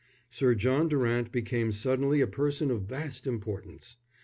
Sir John Durant became suddenly a person of vast importance.